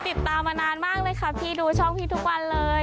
ติดตามมานานมากเลยค่ะพี่ดูช่องพี่ทุกวันเลย